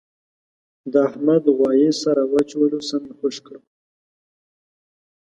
د احمد غوایه سر را واچولو سم یې خوږ کړم.